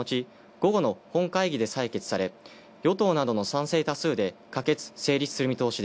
午後の本会議で採決され、与党などの賛成多数で可決成立する見込み。